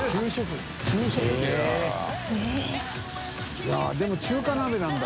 い筺でも中華鍋なんだ。